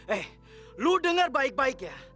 eh lu dengar baik baik ya